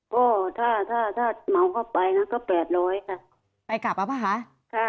ก็ถ้าถ้าถ้าเมาเข้าไปนะก็แปดร้อยค่ะไปกลับแล้วป่ะคะค่ะ